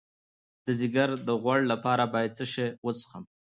د ځیګر د غوړ لپاره باید څه شی وڅښم؟